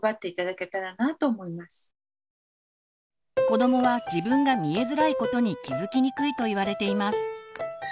子どもは自分が「見えづらい」ことに気づきにくいといわれています。